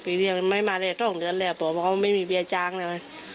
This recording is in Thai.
พี่เรียกไม่มาเลยต้องเดินเลยบอกว่าเขาไม่มีเบียงจ้างแล้ว